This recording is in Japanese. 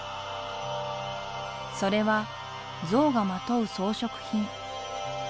それは像がまとう装飾品。